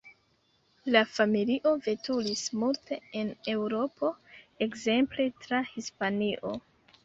La familio veturis multe en Eŭropo, ekzemple tra Hispanio.